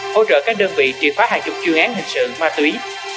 hỗ trợ các đơn vị triệt phá hàng chục chuyên án hình sự ma túy